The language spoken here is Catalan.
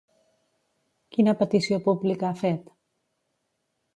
Quina petició pública ha fet?